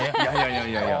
いやいやいや。